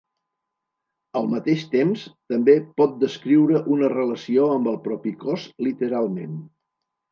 Al mateix temps, també pot descriure una relació amb el propi cos literalment.